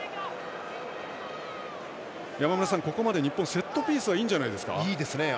山村さん、ここまで日本はセットピースはいいですね。